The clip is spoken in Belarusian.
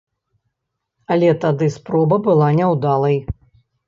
Але тады спроба была няўдалай.